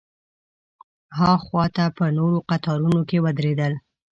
ها خوا ته په نورو قطارونو کې ودرېدل.